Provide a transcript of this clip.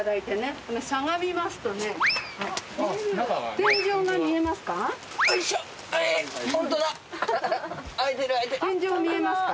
天井見えますか？